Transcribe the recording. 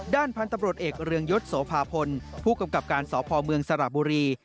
พันธุ์ตำรวจเอกเรืองยศโสภาพลผู้กำกับการสพเมืองสระบุรี